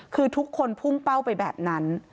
คือทุกคนพุ่งเป้าไปแบบนั้น